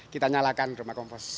kita nyalakan rumah kompos